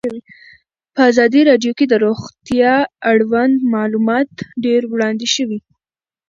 په ازادي راډیو کې د روغتیا اړوند معلومات ډېر وړاندې شوي.